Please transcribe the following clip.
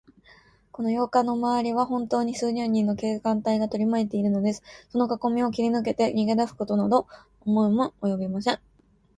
この洋館のまわりは、ほんとうに数十人の警官隊がとりまいているのです。そのかこみを切りぬけて、逃げだすことなど思いもおよびません。